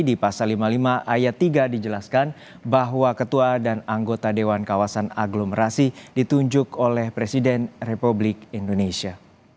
di pasal lima puluh lima ayat tiga dijelaskan bahwa ketua dan anggota dewan kawasan aglomerasi ditunjuk oleh presiden republik indonesia